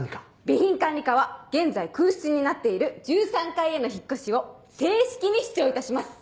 備品管理課は現在空室になっている１３階への引っ越しを正式に主張いたします。